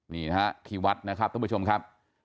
นี่นะฮะที่วัดนะครับท่านผู้ชมครับ